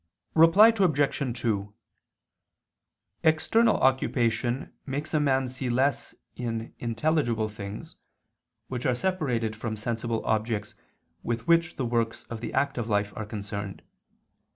Reply Obj. 2: External occupation makes a man see less in intelligible things, which are separated from sensible objects with which the works of the active life are concerned.